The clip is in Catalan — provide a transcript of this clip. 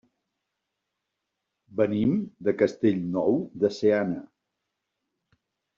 Venim de Castellnou de Seana.